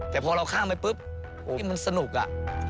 แต่พอเราข้ามไปปุ๊บที่มันสนุกอ่ะ